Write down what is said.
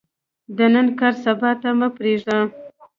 د نن کار، سبا ته مه پریږده.